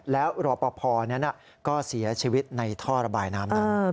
แล้วรอปภนั้นก็เสียชีวิตในท่อระบายน้ำนั้น